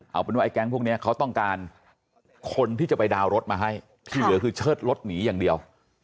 เอาเป็นว่าไอแก๊งพวกนี้เขาต้องการคนที่จะไปดาวน์รถมาให้ที่เหลือคือเชิดรถหนีอย่างเดียว